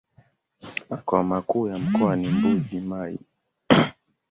Makao makuu ya mkoa ni Mbuji-Mayi.